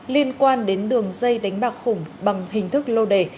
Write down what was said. liên quan đến đường dây đánh bạc khủng bằng hình thức lô đề